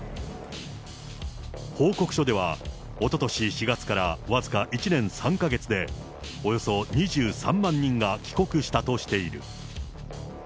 報告書では、おととし４月から僅か１年３か月で、およそ２３万人が帰国したとしている。